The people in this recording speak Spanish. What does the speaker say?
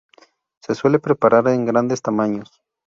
Se suele preparar en grandes tamaños.